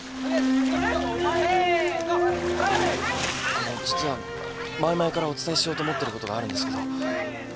あの実は前々からお伝えしようと思ってることがあるんですけど。